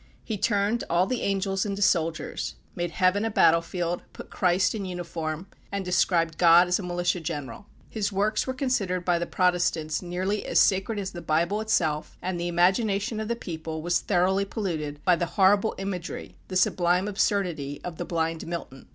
He turned all the angels into soldiers made Heaven a battlefield, put Christ in uniform, and described God as a militia general. His works were considered by the Protestants nearly as sacred as the Bible itself, and the imagination of the people was thoroughly polluted by the horrible imagery, the sublime absurdity of the blind Milton.